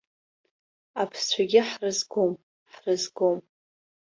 Аԥсцәагьы ҳрызгом, ҳрызгом.